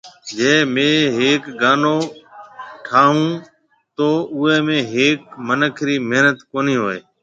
جي ميھ ھيَََڪ گانو ٺاھونھونتو اوئي ۾ ھيَََڪي منک ري محنت ڪونھيَََ ھوتي